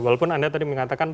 walaupun anda tadi mengatakan